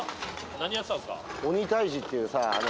何やってたんですか？